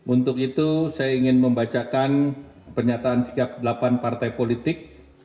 untuk itu saya ingin membacakan pernyataan sikap delapan partai politik